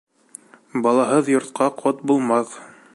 Балаһыҙ йортҡа ҡот булмаҫ.